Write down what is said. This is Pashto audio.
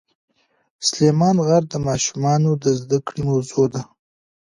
سلیمان غر د ماشومانو د زده کړې موضوع ده.